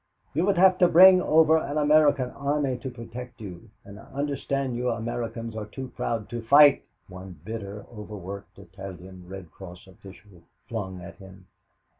"You would have to bring over an American army to protect you, and I understand you Americans are too proud to fight," one bitter, over worked Italian Red Cross official flung at him.